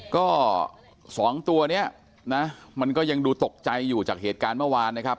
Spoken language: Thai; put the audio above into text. ก็สองตัวนี้นะมันก็ยังดูตกใจอยู่จากเหตุการณ์เมื่อวานนะครับ